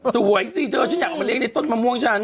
สวยสิเธอฉันอยากเอามาเลี้ยในต้นมะม่วงฉัน